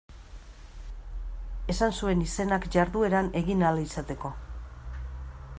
Esan zuen izenak jardueran egin ahal izateko.